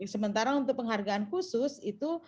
sementara untuk penghargaan khusus itu